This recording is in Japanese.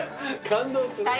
感動するな。